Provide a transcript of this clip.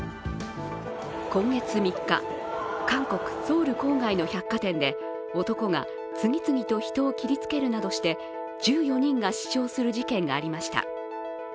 今月３日、韓国ソウル郊外の百貨店で男が次々と人を切りつけるなどして１４人が死傷する事件がありました。